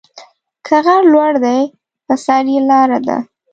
که غر لوړ دى، په سر يې لار ده.